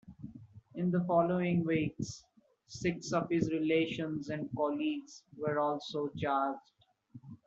In the following weeks, six of his relations and colleagues were also charged.